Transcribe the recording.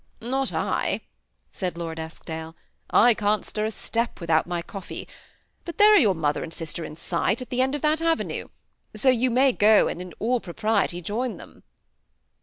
" Not I," said Lord Eskdale ;« I can't stir a step without my coffee ; but there are your mother and sis ter in sight, at the end of that avenue, so you may go in all propriety and join them."